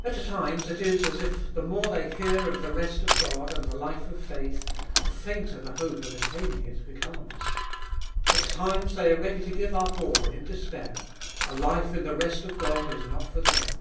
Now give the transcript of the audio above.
At times it is as if the more they hear of the rest of God and the life of faith, the fainter the hope of attaining it becomes. Iboltest of BU 169 At times they are ready to give up all in despair : a life in the rest of God is not for them.